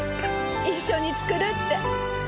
一緒に作るって。